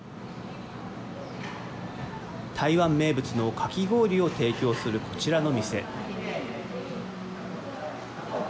台湾名物のかき氷を提供するこちらの店。